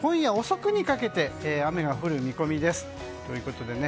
今夜遅くにかけて雨が降る見込みです。